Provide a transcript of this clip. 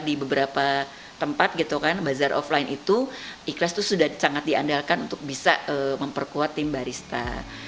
di beberapa tempat gitu kan bazar offline itu ikhlas itu sudah sangat diandalkan untuk bisa memperkuat tim barista